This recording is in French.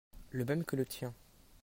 Le même que le tien.